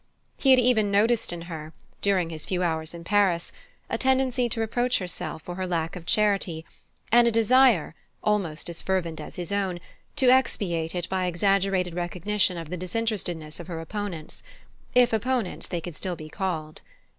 He had even noticed in her, during his few hours in Paris, a tendency to reproach herself for her lack of charity, and a desire, almost as fervent as his own, to expiate it by exaggerated recognition of the disinterestedness of her opponents if opponents they could still be called.